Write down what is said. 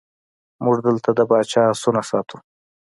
موږ دلته د پاچا آسونه ساتو.